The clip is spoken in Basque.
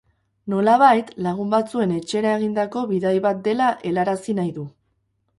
Nolabait, lagun batzuen etxera egindako bidai bat dela helarazi nahi du.